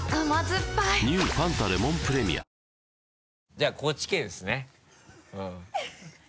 じゃあ高知県ですねうん。